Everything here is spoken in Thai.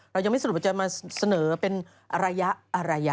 เรายังไม่สรุปว่าจะมาเสนอเป็นระยะ